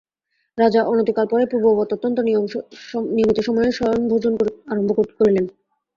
রাজা অনতিকাল পরেই পূর্ববৎ অত্যন্ত নিয়মিত সময়ে শয়ন ভোজন আরম্ভ করিলেন।